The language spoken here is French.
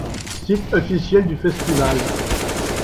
Site officiel du Festival.